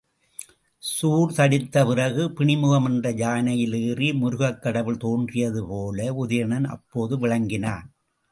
சூர் தடிந்த பிறகு பிணிமுகம் என்ற யானையிலேறி முருகக் கடவுள் தோன்றியது போல உதயணன் அப்போது விளங்கினான்.